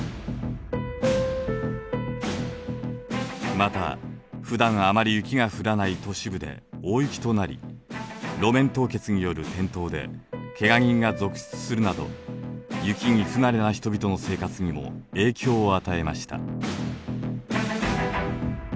また普段あまり雪が降らない都市部で大雪となり路面凍結による転倒でけが人が続出するなど雪に不慣れな人々の生活にも影響を与えました。